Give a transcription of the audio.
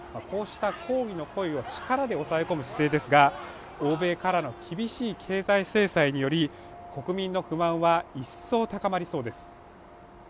こうした抗議の声を力で抑え込む姿勢ですが欧米からの厳しい経済制裁により国民の不満は一層高まりそうです